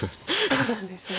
そうなんですね。